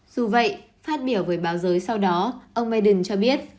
dù vậy phát biểu với báo giới sau đó ông biden cho biết